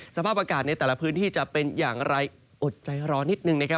สภาพอากาศในแต่ละพื้นที่จะเป็นอย่างไรอดใจรอนิดนึงนะครับ